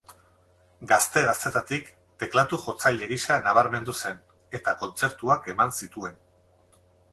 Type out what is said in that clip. Gazte-gaztetatik teklatu-jotzaile gisa nabarmendu zen, eta kontzertuak eman zituen.